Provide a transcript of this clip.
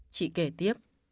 chị kể tiếp